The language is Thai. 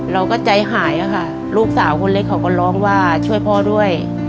เราก็ใจหายค่ะลูกสาวคนเล็กเขาก็ร้องว่าช่วยพ่อด้วย